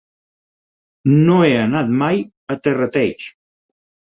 No he anat mai a Terrateig.